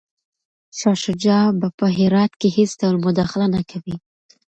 شاه شجاع به په هرات کي هیڅ ډول مداخله نه کوي.